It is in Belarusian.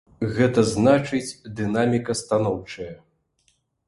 Гэта значыць, дынаміка станоўчая.